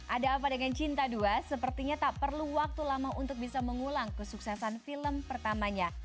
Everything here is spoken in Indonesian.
ada apa dengan cinta dua sepertinya tak perlu waktu lama untuk bisa mengulang kesuksesan film pertamanya